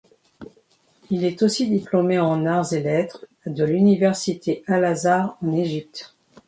Il est aussi diplômé en arts et lettres de l’université al-Azhar en Égypte.